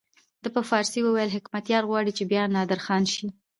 ده په فارسي وویل حکمتیار غواړي چې بیا نادرخان شي.